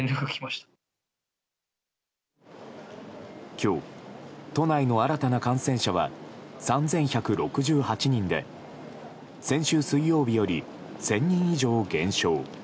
今日、都内の新たな感染者は３１６８人で先週水曜日より１０００人以上減少。